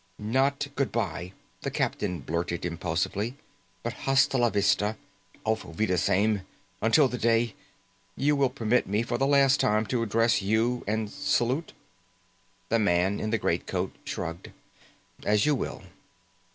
"Not goodbye," the captain blurted impulsively, "but hasta la vista, auf Wiedersehen, until the day ... you will permit me, for the last time to address you and salute?" The man in the greatcoat shrugged. "As you will."